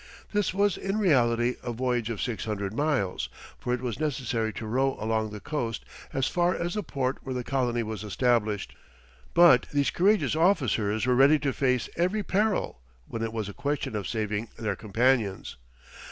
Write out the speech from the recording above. This was in reality a voyage of six hundred miles, for it was necessary to row along the coast as far as the port where the colony was established. But these courageous officers were ready to face every peril, when it was a question of saving their companions.